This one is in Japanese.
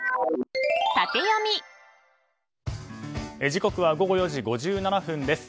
時刻は午後４時５７分です。